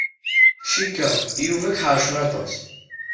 Cikkeɣ Yuba yeḥṛec aṭas.